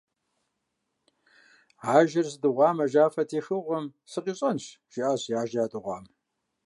«Ажэр зыдыгъуам ажафэ техыгъуэм сыкъищӀэнщ», - жиӀащ зи ажэ ядыгъуам.